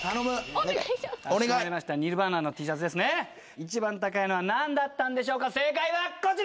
一番高いのは何だったんでしょう正解はこちら！